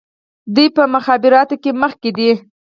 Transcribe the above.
دوی په مخابراتو کې مخکې دي.